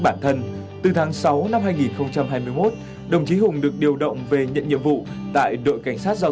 bản thân từ tháng sáu năm hai nghìn hai mươi một đồng chí hùng được điều động về nhận nhiệm vụ tại đội cảnh sát giao